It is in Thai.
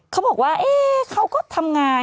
เขาบอกว่าเขาก็ทำงาน